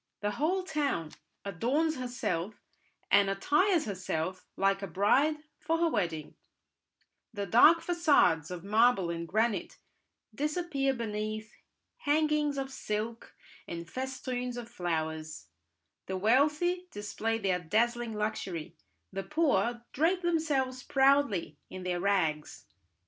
The whole town adorns herself and attires herself like a bride for her wedding; the dark facades of marble and granite disappear beneath hangings of silk and festoons of flowers; the wealthy display their dazzling luxury, the poor drape themselves proudly in their rags.